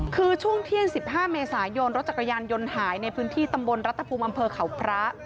คือช่วงเที่ยง๑๕เมษายนรถจักรยานยนต์หายในพื้นที่ตำบลรัฐภูมิอำเภอเขาพระ